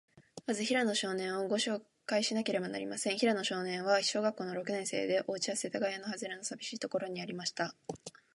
まず、平野少年を、ごしょうかいしなければなりません。平野少年は、小学校の六年生で、おうちは、世田谷区のはずれの、さびしいところにありました。